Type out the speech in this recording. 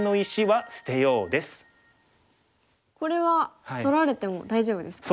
これは取られても大丈夫ですか？